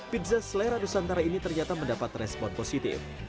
pizza selera nusantara ini ternyata mendapat respon positif